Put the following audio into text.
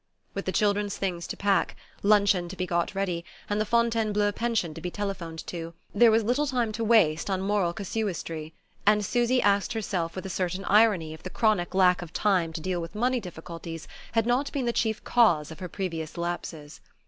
With the children's things to pack, luncheon to be got ready, and the Fontainebleau pension to be telephoned to, there was little time to waste on moral casuistry; and Susy asked herself with a certain irony if the chronic lack of time to deal with money difficulties had not been the chief cause of her previous lapses.